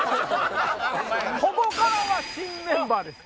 ここからは新メンバーです。